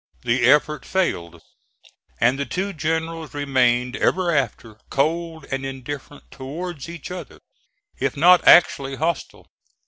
The effort failed, and the two generals remained ever after cold and indifferent towards each other, if not actually hostile.